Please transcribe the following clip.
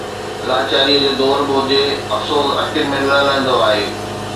لاچاريءَ جو دور به هجي، افسوس اکين ۾ نه لهندو آهي